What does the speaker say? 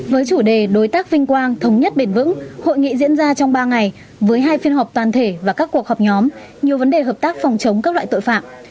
với chủ đề đối tác vinh quang thống nhất bền vững hội nghị diễn ra trong ba ngày với hai phiên họp toàn thể và các cuộc họp nhóm nhiều vấn đề hợp tác phòng chống các loại tội phạm